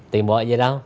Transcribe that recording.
tiền bỏ gì đâu